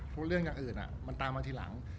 เพราะเรื่องอย่างอื่นมันตามมาทีหลัง